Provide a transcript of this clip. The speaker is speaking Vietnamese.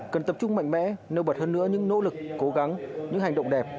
cần tập trung mạnh mẽ nêu bật hơn nữa những nỗ lực cố gắng những hành động đẹp